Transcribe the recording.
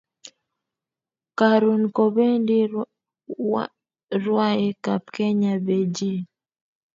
Karun kobendi rwaik ab kenya Bejin